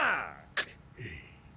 くっ。